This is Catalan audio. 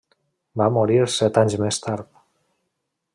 Va morir set anys més tard.